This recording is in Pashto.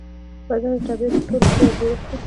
بدن د طبیعت تر ټولو ښکلی جوړڻت دی.